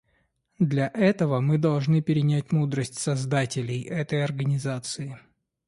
Для этого мы должны перенять мудрость создателей этой Организации.